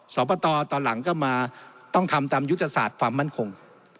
สอบประตตอนหลังก็มาต้องทำตามยุทธศาสตร์ความมั่นคง